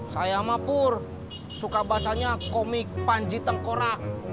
saya mah pur suka bacanya komik panji tengkorak